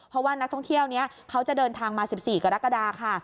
เพราะว่านักท่องเที่ยวนี้เขาจะเดินทางมา๑๔กรกฎาค่ะ